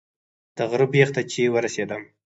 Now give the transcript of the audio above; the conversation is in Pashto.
د غره بیخ ته چې ورسېدم.